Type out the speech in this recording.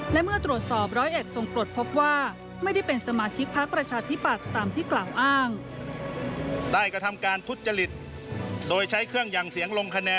และเมื่อตรวจสอบร้อยเอ็ดทรงกรดพบว่าไม่ได้เป็นสมาชิกพักประชาธิปัตย์ตามที่กล่าวอ้าง